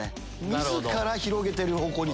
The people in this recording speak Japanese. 自ら広げる方向に。